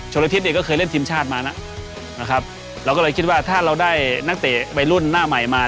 ชนฤทธิ์ก็เคยเล่นทีมชาติมานะเราก็เลยคิดว่าถ้าเราได้นักเตะใบรุ่นหน้าใหม่มา